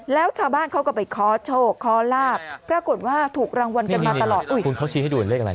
แล้วชาวบ้านเขาก็ไปขอโชคขอลาบปรากฏว่าถูกรางวัลกันมาตลอด